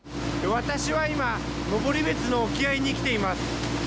私は今、登別の沖合に来ています。